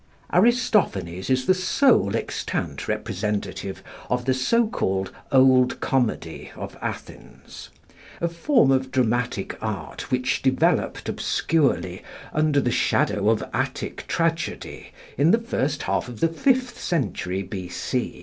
Aristophanes is the sole extant representative of the so called Old Comedy of Athens; a form of dramatic art which developed obscurely under the shadow of Attic Tragedy in the first half of the fifth century B.C.